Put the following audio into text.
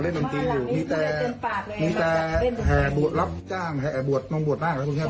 เล่นดนตรีอยู่มีแต่แห่บวดรับจ้างแห่บวดมองบวดบ้างนะครับ